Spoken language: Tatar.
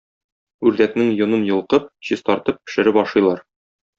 Үрдәкнең йонын йолкып, чистартып пешереп ашыйлар.